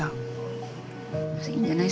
いいんじゃない？